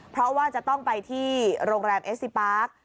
เพราะว่าจะต้องไปที่โรงแรมเอสซิปาร์ค